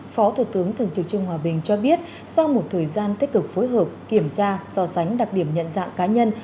phó thủ tướng thường trực trương hòa bình cho biết sau một thời gian tích cực phối hợp kiểm tra so sánh đặc điểm nhận dạng cá nhân